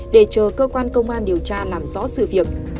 để chờ cơ quan công an điều tra làm rõ sự việc